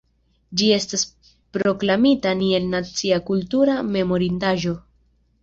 Ĝi estas proklamita kiel Nacia kultura memorindaĵo.